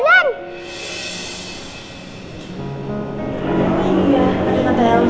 iya ada yang nantep rawanan